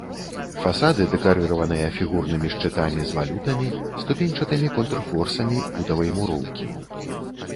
Фасады дэкарыраваныя фігурнымі шчытамі з валютамі, ступеньчатымі контрфорсамі бутавай муроўкі.